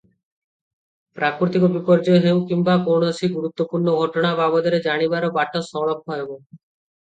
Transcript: ପ୍ରାକୃତିକ ବିପର୍ଯ୍ୟୟ ହେଉ କିମ୍ବା କୌଣସି ଗୁରୁତ୍ତ୍ୱପୂର୍ଣ୍ଣ ଘଟଣା ବାବଦରେ ଜାଣିବାର ବାଟ ସଳଖ ହେବ ।